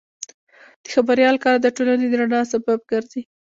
د خبریال کار د ټولنې د رڼا سبب ګرځي.